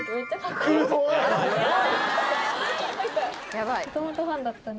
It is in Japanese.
やばい。